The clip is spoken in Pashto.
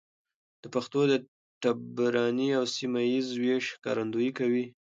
د پښتو د ټبرني او سيمه ييز ويش ښکارندويي کوي.